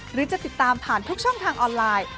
หรือจะติดตามผ่านทุกช่องทางออนไลน์